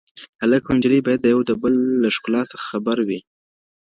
هلک او نجلۍ بايد يو د بل له ښکلا څخه خبر وي